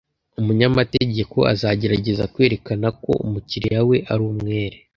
Umunyamategeko azagerageza kwerekana ko umukiriya we ari umwere